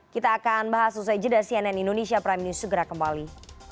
kita akan bahas usai jeda cnn indonesia prime news segera kembali